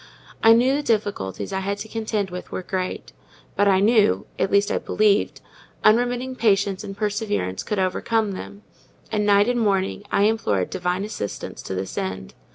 I knew the difficulties I had to contend with were great; but I knew (at least I believed) unremitting patience and perseverance could overcome them; and night and morning I implored Divine assistance to this end.